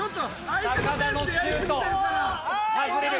田のシュート外れる。